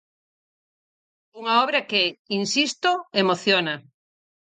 Unha obra que, insisto, emociona.